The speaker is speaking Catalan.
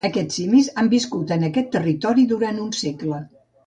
Aquests simis han viscut en aquest territori durant un segle.